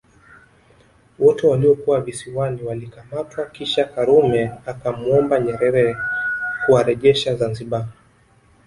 Wote waliokuwa Visiwani walikamatwa kisha Karume akamwomba Nyerere kuwarejesha Zanzibar